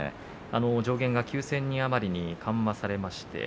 上限が９０００人余りに緩和されました。